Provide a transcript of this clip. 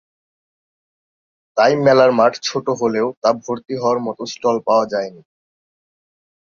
তাই মেলার মাঠ ছোটো হলেও তা ভরতি হওয়ার মতো স্টল পাওয়া যায়নি।